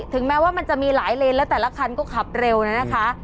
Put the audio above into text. แม้ว่ามันจะมีหลายเลนแล้วแต่ละคันก็ขับเร็วนะคะ